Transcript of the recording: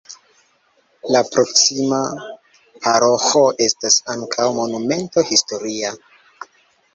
La proksima paroĥo estas ankaŭ monumento historia.